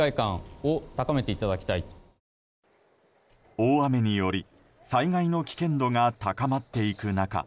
大雨により災害の危険度が高まっていく中